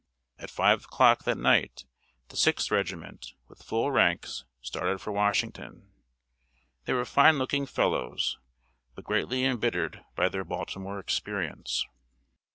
At 5 o'clock that night the Sixth Regiment, with full ranks, started for Washington. They were fine looking fellows, but greatly embittered by their Baltimore experience.